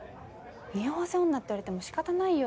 匂わせ女って言われてもしかたないよ。